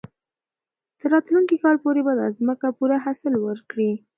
تر راتلونکي کال پورې به دا مځکه پوره حاصل ورکړي.